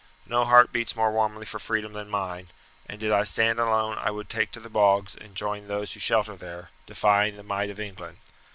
No heart beats more warmly for freedom than mine; and did I stand alone I would take to the bogs and join those who shelter there, defying the might of England.